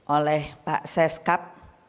oleh pak seskap